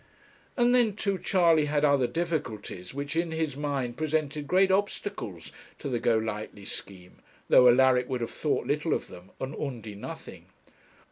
And then, too, Charley had other difficulties, which in his mind presented great obstacles to the Golightly scheme, though Alaric would have thought little of them, and Undy nothing.